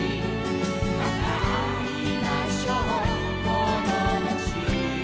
「またあいましょうともだち」